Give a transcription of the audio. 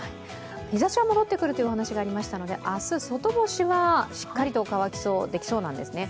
日ざしは戻ってくるというお話がありましたので、明日、外干しはしっかりとできそうですね。